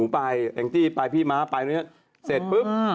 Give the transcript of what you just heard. ไปแองจี้ไปพี่ม้าไปพี่นู้นเสร็จปุ๊บ